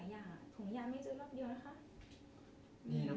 ถ้าลองแอมมี่มีกิ๊กดีตอนนั้นอ่ะ